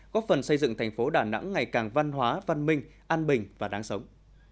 góp phần xây dựng thành phố đà nẵng ngày càng văn hóa văn minh an bình và đáng sống